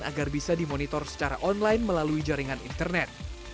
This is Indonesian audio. agar bisa dimonitor secara online melalui jaringan internet